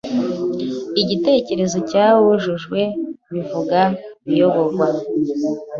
Igitekerezo cya "wujujwe" bivuga "uyoborwa"